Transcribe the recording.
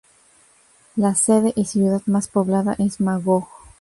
La sede y ciudad más poblada es Magog.